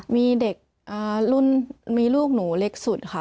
มีเด็กรุ่นมีลูกหนูเล็กสุดค่ะ